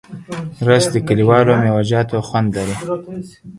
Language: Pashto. رس د کلیوالو میوهجاتو خوند لري